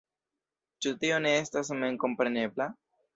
Ĉu tio ne estas memkomprenebla?